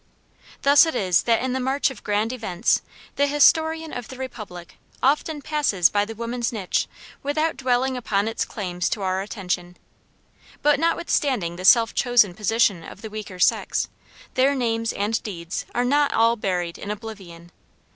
Thus it is that in the march of grand events the historian of the Republic often passes by the woman's niche without dwelling upon its claims to our attention. But notwithstanding the self chosen position of the weaker sex, their names and deeds are not all buried in oblivion.